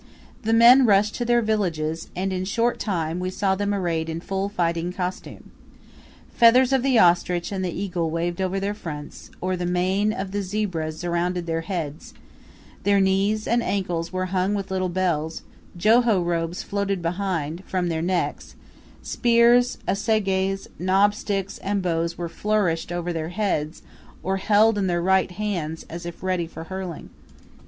The men rushed to their villages, and in a short time we saw them arrayed in full fighting costume. Feathers of the ostrich and the eagle waved over their fronts, or the mane of the zebra surrounded their heads; their knees and ankles were hung with little bells; joho robes floated behind, from their necks; spears, assegais, knob sticks, and bows were flourished over their heads, or held in their right hands, as if ready for hurling.